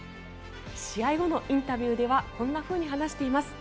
試合後のインタビューではこんなふうに話しています。